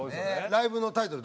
ライブのタイトル